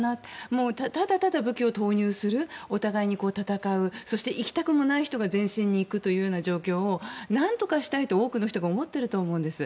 もうただただ、武器を投入するお互いに戦うそして行きたくもない人が前線に行くという状況をなんとかしたいと多くの人が思っていると思うんです。